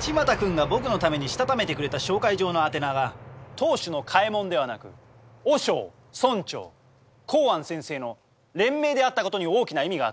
千万太君が僕のために認めてくれた紹介状の宛名が当主の嘉右衛門ではなく和尚村長幸庵先生の連名であった事に大きな意味があった。